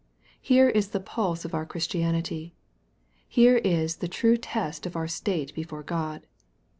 Here is the pulse of our Christianity. Here is the true test of our state before God.